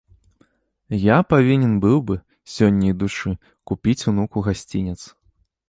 Я павінен быў бы, сёння ідучы, купіць унуку гасцінец.